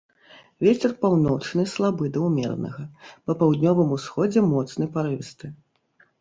Вецер паўночны слабы да ўмеранага, па паўднёвым усходзе моцны парывісты.